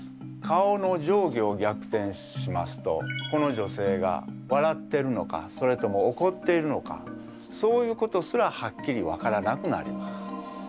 顔の上下を逆転しますとこの女性が笑ってるのかそれともおこっているのかそういうことすらはっきりわからなくなります。